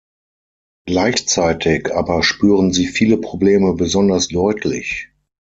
Gleichzeitig aber spüren sie viele Probleme besonders deutlich.